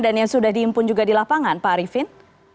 dan yang sudah diimpun juga di lapangan pak arifin